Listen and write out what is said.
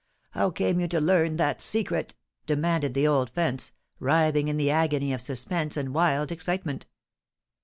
—how came you to learn that secret?" demanded the old fence, writhing in the agony of suspense and wild excitement.